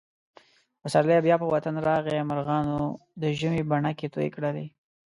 پسرلی بیا په وطن راغی. مرغانو د ژمي بڼکې تویې کړلې.